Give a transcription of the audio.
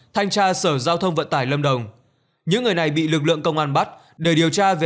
thanh tra sở giao thông vận tải lâm đồng những người này bị lực lượng công an bắt để điều tra về